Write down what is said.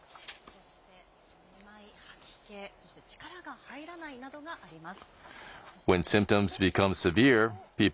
そしてめまい、吐き気、そして、力が入らないなどがあります。